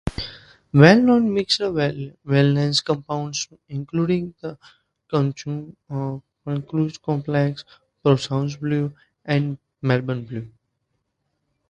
Well-known mixed valence compounds include the Creutz-Taube complex, Prussian blue and Molybdenum blue.